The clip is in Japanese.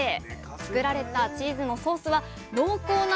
作られたチーズのソースは濃厚なうまみに。